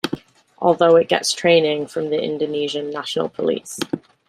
Although it gets training from the Indonesian National Police.